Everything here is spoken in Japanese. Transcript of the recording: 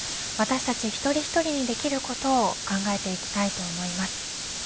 私たち一人一人にできることを考えていきたいと思います。